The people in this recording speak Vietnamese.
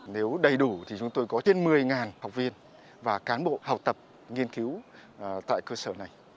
nếu đầy đủ thì chúng tôi có trên một mươi học viên và cán bộ học tập nghiên cứu tại cơ sở này